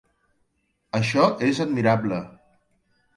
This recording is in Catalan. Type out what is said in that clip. Això és admirable